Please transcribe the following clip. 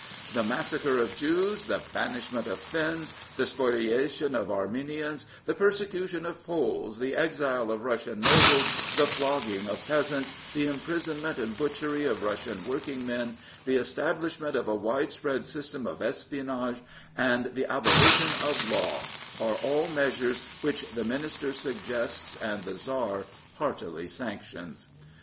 " The massacre of Jews, the banishment of Finns, the spoliation of Armenians, the persecution of Poles, the exile of Russian nobles, the flogging of peasants, the imprisonment and butchery of Russian working men, the establishment of a widespread system of espionage, and the abolition of law are all measures which the Minister suggests and the Tsar heartily sanctions."